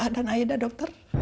dan aida dokter